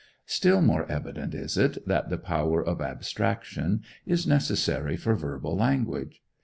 Still more evident is it that the power of abstraction is necessary for verbal language.